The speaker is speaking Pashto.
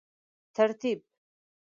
ترتیب